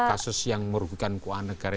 kasus yang merugikan keuangan negara